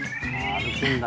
歩くんだ。